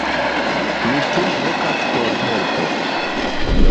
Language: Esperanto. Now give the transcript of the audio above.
Ni tuj vokas por helpo.“